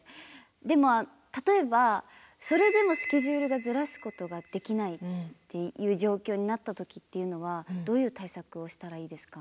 でも例えばそれでもスケジュールがずらすことができないっていう状況になった時っていうのはどういう対策をしたらいいですか？